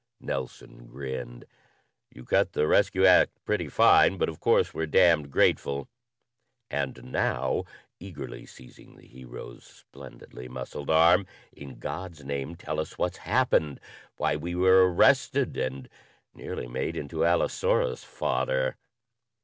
Nelson grinned. "You cut the rescue act pretty fine, but of course we're damned grateful. And now," eagerly seizing the Hero's splendidly muscled arm "in God's name tell us what's happened. Why we were arrested and nearly made into allosaurus fodder?"